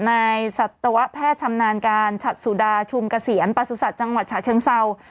สัตวแพทย์ชำนาญการฉัดสุดาชุมเกษียณประสุทธิ์จังหวัดฉะเชิงเศร้า